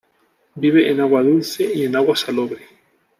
Vive en agua dulce y en agua salobre.